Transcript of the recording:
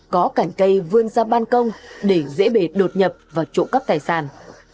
có cảnh cây vươn ra ban công để dễ bệt đột nhập vào trộm cắp tài sản